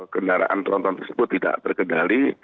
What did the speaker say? kendaraan tronton tersebut tidak terkendali